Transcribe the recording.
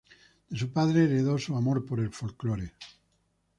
De su padre heredó su amor por el folklore.